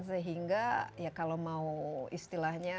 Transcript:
sehingga ya kalau mau istilahnya